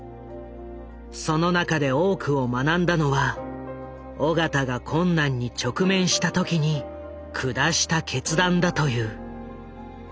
その中で多くを学んだのは緒方が困難に直面した時に下した決断だという。